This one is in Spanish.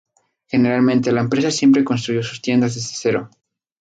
Generalmente la empresa siempre construyó sus tiendas desde cero.